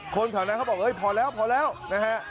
คนเผาทำนานเขาก็บอกพอแล้วนะฮะ